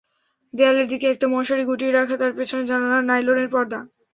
দেয়ালের দিকে একটা মশারি গুটিয়ে রাখা, তার পেছনে জানালায় নাইলনের পর্দা।